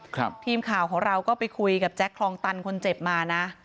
ทีมข่าวของเราก็ไปคุยกับแจ็คคลองตันคนเจ็บมานะ